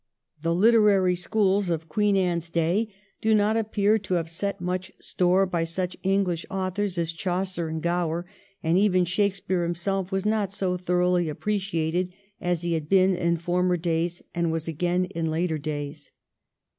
The literary schools of Queen Anne's day do not appear to have set much store by such English authors as Chaucer and Gower ; and even Shakespeare himself was not so thoroughly appreciated as he had been in former days and was again in later days.